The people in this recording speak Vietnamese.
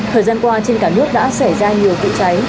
thời gian qua trên cả nước đã xảy ra nhiều vụ cháy